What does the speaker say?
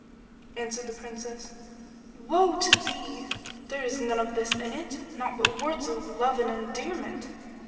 Answered the Princess, "Woe to thee! There is none of this in it, naught but words of love and endearment.